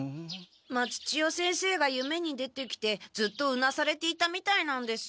松千代先生が夢に出てきてずっとうなされていたみたいなんです。